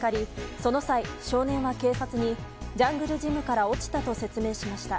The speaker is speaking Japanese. その際、少年は警察にジャングルジムから落ちたと説明しました。